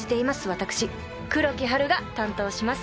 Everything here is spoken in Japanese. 私黒木華が担当します。